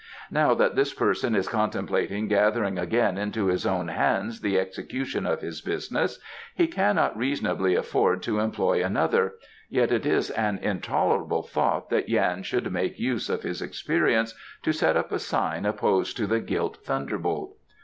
Now that this person is contemplating gathering again into his own hands the execution of his business, he cannot reasonably afford to employ another, yet it is an intolerable thought that Yan should make use of his experience to set up a sign opposed to the Gilt Thunderbolt.